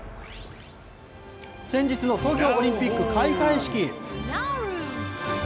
先日の東京オリンピック開会式。